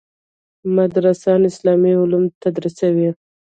مدرسان اسلامي علوم تدریسوي.